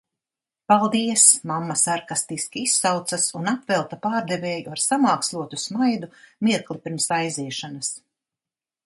Paldies! mamma sarkastiski izsaucas un apvelta pārdevēju ar samākslotu smaidu mirkli pirms aiziešanas.